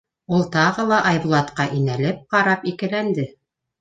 Ул тағы ла Айбулатҡа инәлеп ҡарап икеләнде: